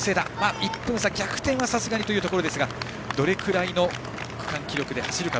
１分差、逆転はさすがにというところですがどれくらいの区間記録で走るか。